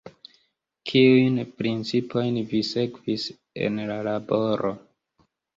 Kiujn principojn vi sekvis en la laboro?